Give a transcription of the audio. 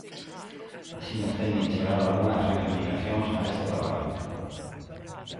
Así nos teñen chegado algunhas reivindicacións a este Parlamento.